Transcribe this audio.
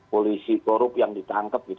polisi korup yang ditangkep gitu